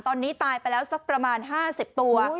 ตอนนี้ตายไปแล้วสักประมาณ๕๐ตัว